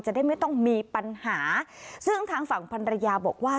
จะได้ไม่ต้องมีปัญหาซึ่งทางฝั่งพันรยาบอกว่า